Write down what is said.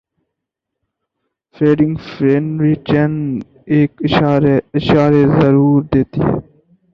feeding frenzy چند ایک اشارے ضرور دیتی ہے